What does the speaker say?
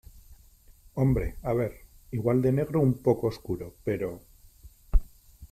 hombre , a ver , igual de negro un poco oscuro , pero ...